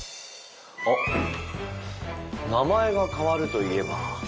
あっ名前が変わるといえば。